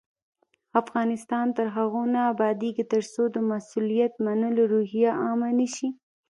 افغانستان تر هغو نه ابادیږي، ترڅو د مسؤلیت منلو روحیه عامه نشي.